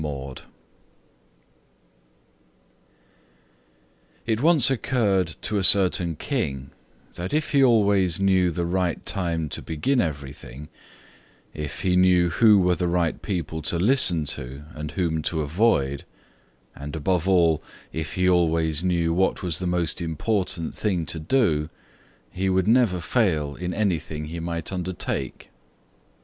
THREE QUESTIONS It once occurred to a certain king, that if he always knew the right time to begin everything; if he knew who were the right people to listen to, and whom to avoid; and, above all, if he always knew what was the most important thing to do, he would never fail in anything he might undertake.